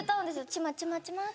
ちまちまちまって。